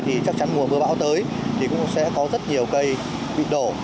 thì chắc chắn mùa mưa bão tới thì cũng sẽ có rất nhiều cây bị đổ